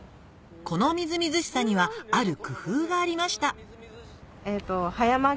このみずみずしさにはある工夫がありました